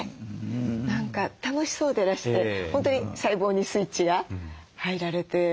何か楽しそうでらして本当に細胞にスイッチが入られてすてきだなと思って。